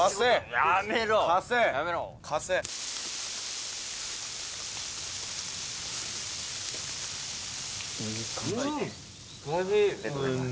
ありがとうございます。